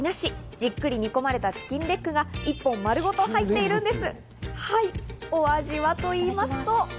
じっくり煮込まれたチキンレッグが１本丸ごと入っているんです。